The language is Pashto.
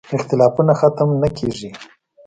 اختلافونه ختم نه کېږي.